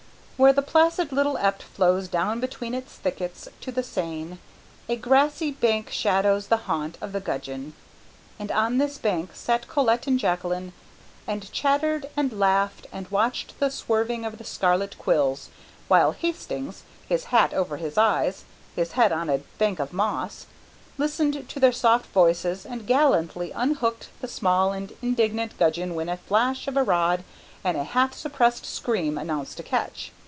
Where the placid little Ept flows down between its thickets to the Seine, a grassy bank shadows the haunt of the gudgeon, and on this bank sat Colette and Jacqueline and chattered and laughed and watched the swerving of the scarlet quills, while Hastings, his hat over his eyes, his head on a bank of moss, listened to their soft voices and gallantly unhooked the small and indignant gudgeon when a flash of a rod and a half suppressed scream announced a catch.